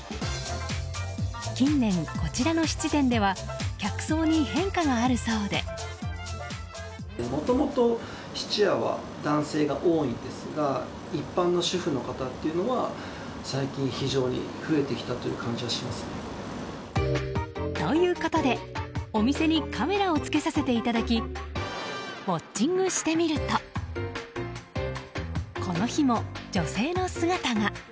近年、こちらの質店では客層に変化があるそうで。ということでお店にカメラをつけさせていただきウォッチングしてみるとこの日も女性の姿が。